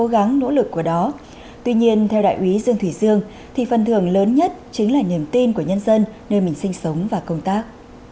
với dương thủy dương thì phần thưởng lớn nhất chính là niềm tin của nhân dân nơi mình sinh sống và công tác